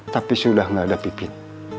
tapi sudah tidak ada pipit